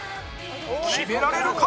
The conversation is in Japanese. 決められるか？